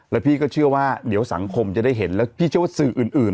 แล้วพี่ก็เชื่อว่าเดี๋ยวสังคมจะได้เห็นแล้วพี่เชื่อว่าสื่ออื่น